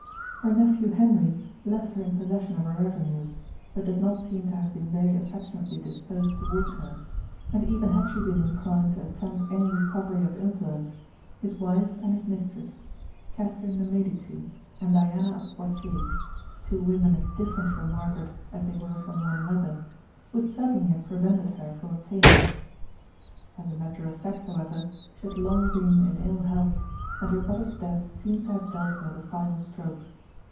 Her nephew Henry left her in possession of her revenues, but does not seem to have been very affectionately disposed towards her; and even had she been inclined to attempt any recovery of influence, his wife and his mistress, Catherine de Medici and Diana of Poitiers, two women as different from Margaret as they were from one another, would certainly have prevented her from obtaining it. As a matter of fact, however, she had long been in ill health, and her brother's death seems to have dealt her the final stroke.